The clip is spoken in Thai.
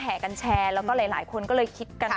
กันแชร์แล้วก็หลายคนก็เลยคิดกัน